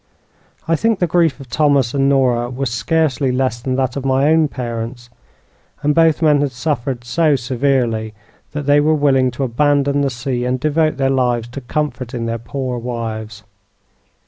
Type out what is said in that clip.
I think the grief of Thomas and Nora was scarcely less than that of my own parents, and both men had suffered so severely that they were willing to abandon the sea and devote their lives to comforting their poor wives.